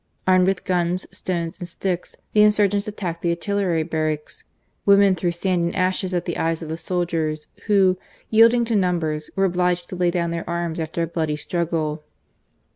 Armed with guns, stones, and sticks, the insurgents attacked the artillery barracks ; women threw sand and ashes at the eyes of the soldiers, who, yielding to numbers, were obliged to lay down their arms after a bloody struggle.